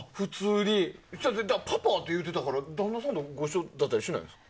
パパって言うてたから旦那さんと一緒だったりしないんですか？